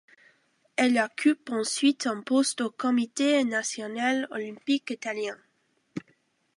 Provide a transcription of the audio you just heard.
Elle occupe ensuite un poste au Comité national olympique italien.